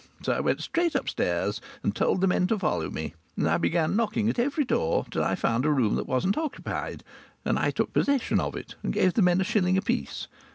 So I went straight upstairs and told the men to follow me, and I began knocking at every door till I found a room that wasn't occupied, and I took possession of it, and gave the men a shilling a piece.